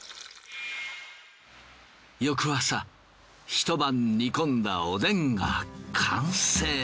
ひと晩煮込んだおでんが完成。